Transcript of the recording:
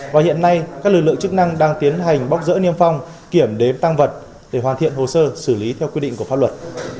và hiện nay các lực lượng chức năng đang tiến hành bóc rỡ niêm phong kiểm đếm tăng vật để hoàn thiện hồ sơ xử lý theo quy định của pháp luật